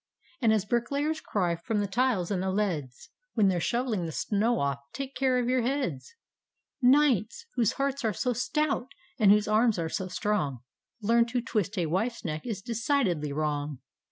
And, as bricklayers cry from the tiles and the leads When they're shovelling the snow off, " take care OF YOUR heads"! Knights! — ^whose hearts are so stout, and whose arms are so strong, Lcam, — to twist a wife's neck is decidedly wrong!